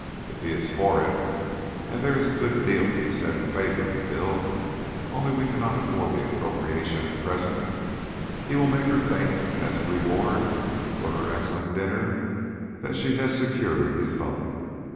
If he is for it and there is a good deal to be said in favour of the bill, only we cannot afford the appropriation at present he will make her think, as a reward for her excellent dinner, that she has secured his vote.